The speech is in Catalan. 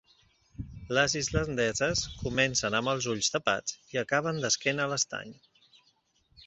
Les islandeses comencen amb els ulls tapats i acaben d'esquena a l'estany.